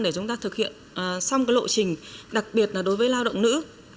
để chúng ta thực hiện xong cái lộ trình đặc biệt là đối với lao động nữ